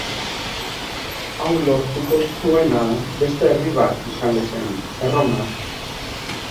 Hau lortuko zuena beste herri bat izango zen, Erroma.